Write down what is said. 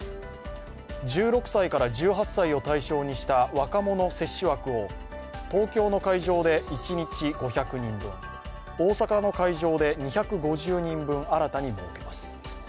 １６歳から１８歳を対象にした若者接種枠を東京の会場で一日５００人分、大阪の会場で２５０人分、新たに設けます。